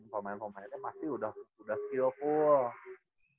pemain pemainnya pasti udah skill caol